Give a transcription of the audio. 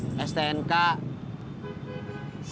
sampai tes bau badan aja gua lolos